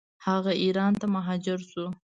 هغه ایران ته مهاجر شو.